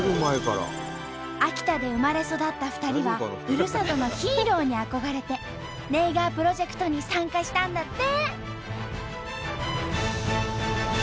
秋田で生まれ育った２人はふるさとのヒーローに憧れてネイガープロジェクトに参加したんだって！